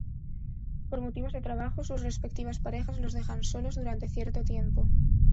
Por motivos de trabajo sus respectivas parejas los dejan solos durante cierto tiempo.